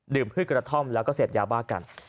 พืชกระท่อมแล้วก็เสพยาบ้ากัน